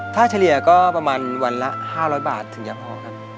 ถ้าเฉลี่ยก็ประมาณวันละ๕๐๐บาทถึงจะพอครับ